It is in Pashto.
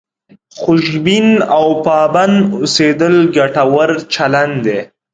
خوشبین او پابند اوسېدل ګټور چلند دی.